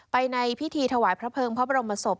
ในพิธีถวายพระเภิงพระบรมศพ